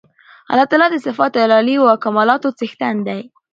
الله تعالی د صفات العُلی او کمالاتو څښتن دی